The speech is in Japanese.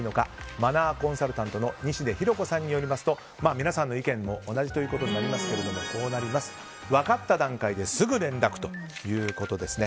マナーコンサルタントの西出ひろ子さんによりますと皆さんの意見も同じということになりますが分かった段階ですぐ連絡ということですね。